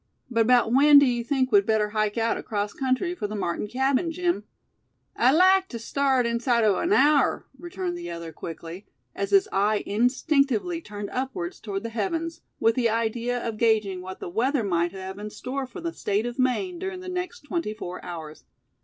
But about when do you think we'd better hike out across country for the Martin cabin, Jim?" "I'd like tew start inside o' an hour," returned the other, quickly, as his eye instinctively turned upwards toward the heavens, with the idea of gauging what the weather might have in store for the State of Maine during the next twenty four hours.